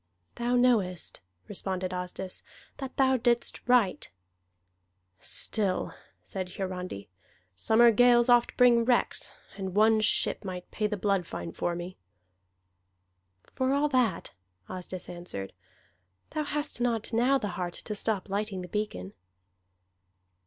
"Thou knowest," responded Asdis, "that thou didst right." "Still," said Hiarandi, "summer gales oft bring wrecks, and one ship might pay the blood fine for me." "For all that," Asdis answered, "thou hast not now the heart to stop lighting the beacon."